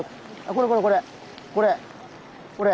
これこれこれ。